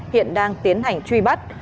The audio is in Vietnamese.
hiện đang tiến hành truy bắt